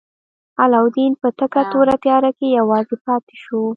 علاوالدین په تکه توره تیاره کې یوازې پاتې شو.